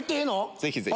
ぜひぜひ。